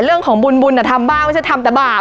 เรื่องของบุญยังทำบ้างว่าจะทำแต่บาด